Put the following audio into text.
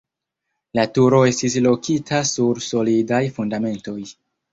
La turo estis lokita sur solidaj fundamentoj.